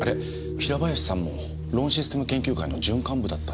平林さんもローンシステム研究会の準幹部だったんじゃ。